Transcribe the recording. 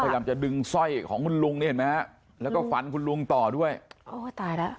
พยายามจะดึงสร้อยของคุณลุงนี่เห็นไหมฮะแล้วก็ฟันคุณลุงต่อด้วยโอ้ตายแล้ว